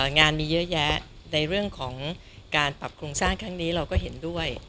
งานมีเยอะแยะในเรื่องของการปรับโครงสร้างครั้งนี้เราก็เห็นด้วย